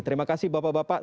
terima kasih bapak bapak